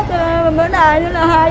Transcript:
chú mất bữa nay là hai tuần rồi